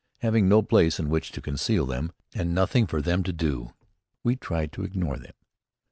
Having no place in which to conceal them, and nothing for them to do, we tried to ignore them.